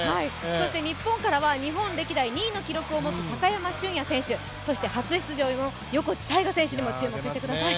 そして日本からは日本歴代２位の記録を持つ高山峻野選手、そして初出場の横地大雅選手にも注目をしてください。